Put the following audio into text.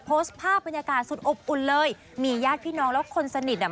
โพสต์ภาพบรรยากาศสุดอบอุ่นเลยมีญาติพี่น้องแล้วคนสนิทอ่ะ